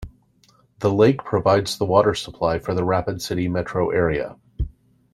The lake provides the water supply for the Rapid City Metro Area.